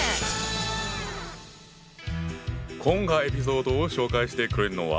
今回エピソードを紹介してくれるのは。